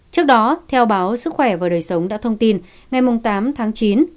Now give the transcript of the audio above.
trước đó theo báo sức khỏe và đời sống đã thông tin ngày tám tháng chín